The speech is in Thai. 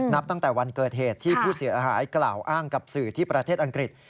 นับตั้งแต่วันเกิดเหตุที่ผู้เสียหายกล่าวอ้างกับสื่อที่ประเทศอังกฤษ